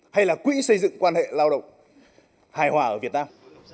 hay là quỹ xây dựng quan hệ lao động hài hòa ở việt nam